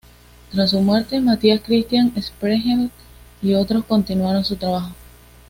Tras su muerte Matthias Christian Sprengel y otros continuaron su trabajo.